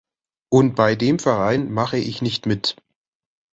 Und bei dem Verein mache ich nicht mit.